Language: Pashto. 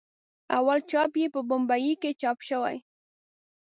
اول چاپ یې په بمبئي کې چاپ شوی.